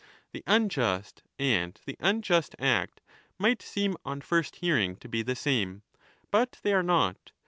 ' The unjust and the unjust act might seem on first hearing to be the same, but they are not.